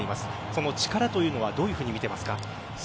その力というのはどう見ていますか？